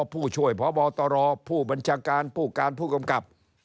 ผู้ช่วยพบตรผู้บัญชาการผู้การผู้กำกับ